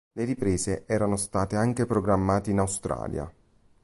Le riprese erano state anche programmate in Australia.